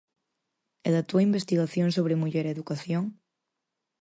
E da túa investigación sobre muller e educación?